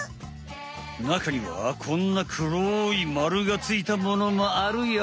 なかにはこんなくろいまるがついたものもあるよ。